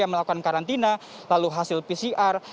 yang melakukan karantina lalu hasil pcr